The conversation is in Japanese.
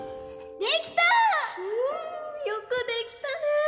よくできたね！